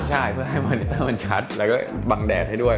ใช่เพื่อให้มอนิเตอร์มันชัดแล้วก็บังแดดให้ด้วย